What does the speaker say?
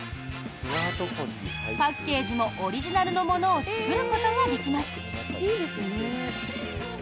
パッケージもオリジナルのものを作ることができます。